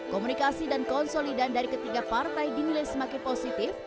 komunikasi dan konsolidan dari ketiga partai dinilai semakin positif